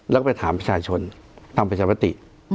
แล้วก็ไปถามประชาชนตามประชามติ